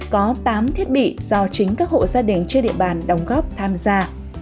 có tám thiết bị do chính các hộ gia đình trên địa bàn đồng góp tham gia